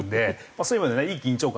そういう意味ではいい緊張の中